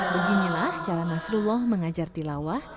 beginilah cara nasrullah mengajar tilawah